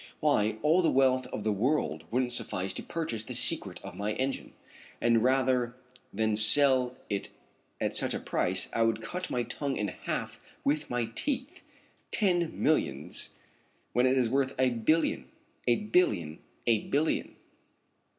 Why, all the wealth of the world wouldn't suffice to purchase the secret of my engine, and rather than sell it at such a price I would cut my tongue in half with my teeth. Ten millions, when it is worth a billion a billion a billion!"